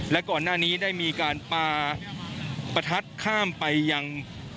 และก่อนหน้านี้ได้มีการปาประทัดข้ามไปยัง